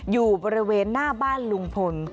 อยู่บริเวณหน้าบ้านลุงพล